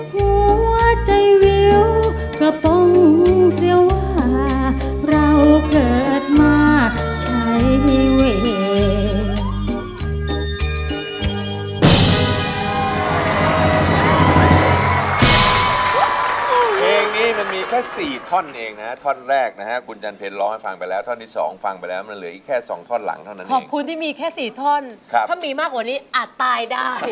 หัวใจวิวกระป๋องเสียว่าเราเกิดและมีตาย